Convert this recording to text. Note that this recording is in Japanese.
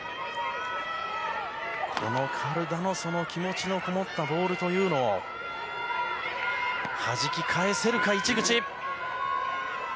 カルダの気持ちのこもったボールというのをはじき返せるか、市口。